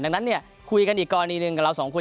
ดังนั้นคุยกันอีกก่อนอีกหนึ่งกับเราสองคน